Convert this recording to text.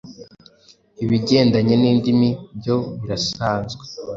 Ibigendanye n’indimi byo birasanzwe